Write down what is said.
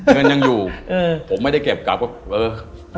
เงินยังอยู่ผมไม่ได้เก็บกลับก็เออ